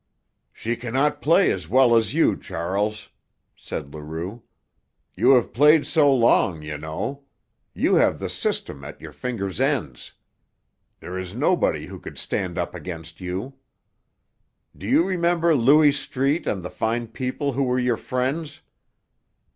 "She cannot play as well as you, Charles," said Leroux. "You have played so long, you know; you have the system at your fingers' ends. There is nobody who could stand up against you. Do you remember Louis Street and the fine people who were your friends?